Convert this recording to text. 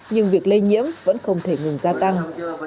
nhưng việc lây nhiễm vẫn không thể ngừng gia tăng